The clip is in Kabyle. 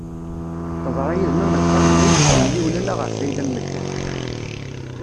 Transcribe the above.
Teḍra yid-wen am lqabla yeslewliwen ala ɣef ayla n medden.